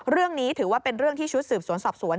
เรื่องนี้ถือว่าเป็นเรื่องที่ชุดสืบสวนสอบสวน